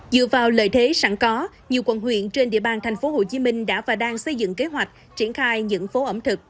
dựa vào lợi thế sẵn có nhiều quận huyện trên địa bàn tp hcm đã và đang xây dựng kế hoạch triển khai những phố ẩm thực